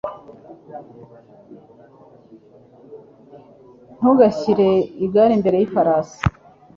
Ntugashyire igare imbere yifarasi